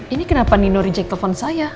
ini kenapa nino reject telepon saya